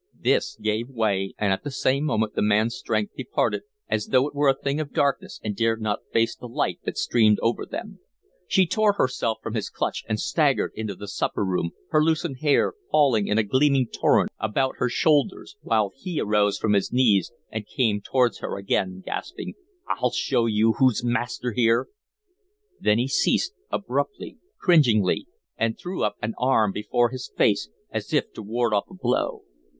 This gave way, and at the same moment the man's strength departed as though it were a thing of darkness and dared not face the light that streamed over them. She tore herself from his clutch and staggered into the supper room, her loosened hair falling in a gleaming torrent about her shoulders, while he arose from his knees and came towards her again, gasping: "I'll show you who's master here " Then he ceased abruptly, cringingly, and threw up an arm before his face as if to ward off a blow.